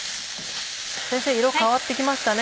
先生色変わってきましたね。